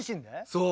そう。